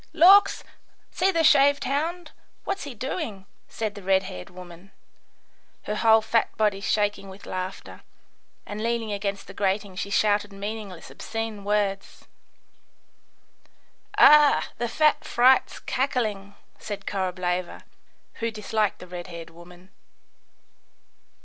"Lawks! see the shaved hound, what he's doing," said the red haired woman, her whole fat body shaking with laughter; and leaning against the grating she shouted meaning less obscene words. "Ugh, the fat fright's cackling," said Korableva, who disliked the red haired woman.